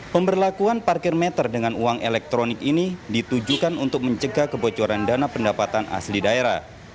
pemberlakuan parkir meter dengan uang elektronik ini ditujukan untuk mencegah kebocoran dana pendapatan asli daerah